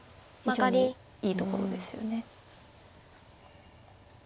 非常にいいところですよね。